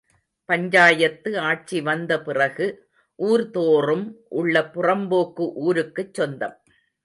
பஞ்சாயத்து ஆட்சி வந்த பிறகு, ஊர்தோறும் உள்ள புறம்போக்கு ஊருக்குச் சொந்தம்.